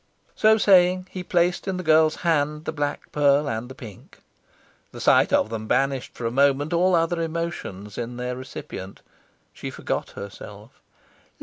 So saying, he placed in the girl's hand the black pearl and the pink. The sight of them banished for a moment all other emotions in their recipient. She forgot herself.